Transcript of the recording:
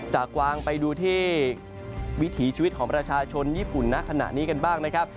กวางไปดูที่วิถีชีวิตของประชาชนญี่ปุ่นณขณะนี้กันบ้างนะครับ